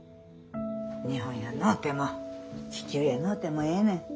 日本やのうても地球やのうてもええねん。